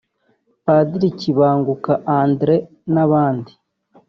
Padiri Kibanguka André n’abandi